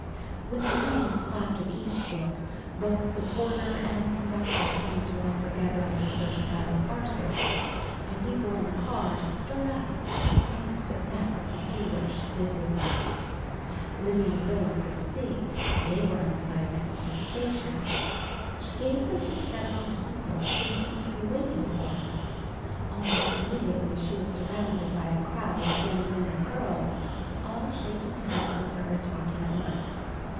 When the train stopped at Eastbrook, both the porter and conductor came to help her gather up her first pile of parcels, and people in the car stood up and craned their necks to see what she did with them. Libby and Will'm could see. They were on the side next to the station. She gave them to several people who seemed to be waiting for her. Almost immediately she was surrounded by a crowd of young men and girls, all shaking hands with her and talking at once.